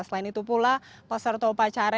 selain itu pula peserta upacara